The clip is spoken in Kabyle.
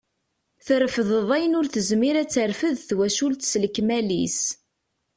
Terfdeḍ ayen ur tezmir ad terfed twacult s lekmal-is.